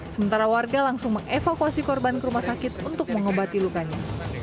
sementara warga langsung mengevakuasi korban ke rumah sakit untuk mengobati lukanya